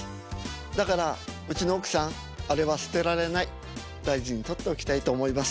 だからうちの奥さんあれは捨てられない大事に取っておきたいと思います。